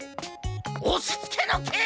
おしつけのけい！